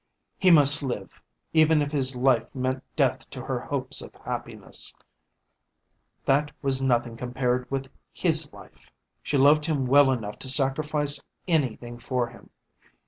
He must live, even if his life meant death to her hopes of happiness; that was nothing compared with his life. She loved him well enough to sacrifice anything for him.